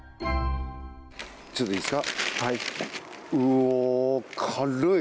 ちょっといいですか？